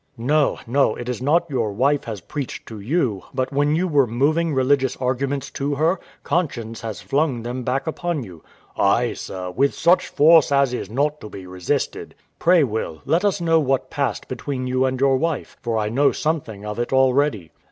R.C. No, no, it is not your wife has preached to you; but when you were moving religious arguments to her, conscience has flung them back upon you. W.A. Ay, sir, with such force as is not to be resisted. R.C. Pray, Will, let us know what passed between you and your wife; for I know something of it already.